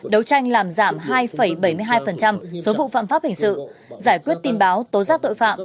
đấu tranh làm giảm hai bảy mươi hai số vụ phạm pháp hình sự giải quyết tin báo tố giác tội phạm